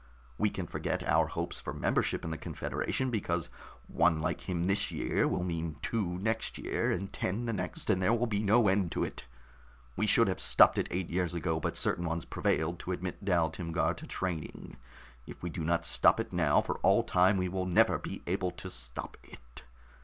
We can forget our hopes for membership in the confederation, because one like him this year will mean two next year, and ten the next, and there will be no end to it. We should have stopped it eight years ago, but certain ones prevailed to admit Dal Timgar to training. If we do not stop it now, for all time, we will never be able to stop it."